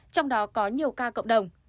trong đó có nhiều ca cộng đồng